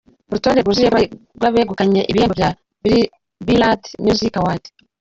Urutonde rwuzuye rw’abegukanye ibihembo bya Billboard Music Awards.